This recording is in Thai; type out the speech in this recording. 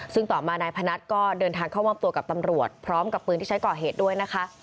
ซึ่งต่อมานายพนัทก็เดินทางเข้ามอบตัวกับตำรวจพร้อมกับปืนที่ใช้ก่อเหตุด้วยนะคะ